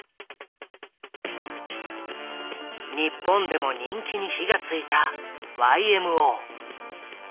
日本でも人気に火がついたＹＭＯ。